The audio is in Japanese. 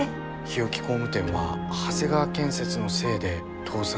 日置工務店は長谷川建設のせいで倒産したのかも。